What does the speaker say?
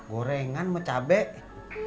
gorengan sama cabai